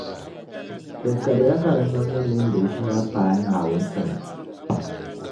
Di kariya ka di nimdi mini di ʒima paai Naawuni sani.